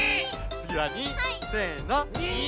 つぎは３せの！